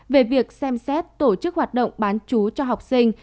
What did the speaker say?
về việc xem xét tổ chức hoạt động bán chú cho học sinh